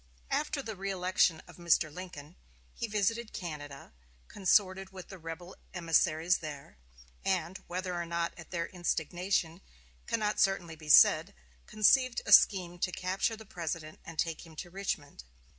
After the reëlection of Mr. Lincoln, he visited Canada, consorted with the rebel emissaries there, and whether or not at their instigation cannot certainly be said conceived a scheme to capture the President and take him to Richmond.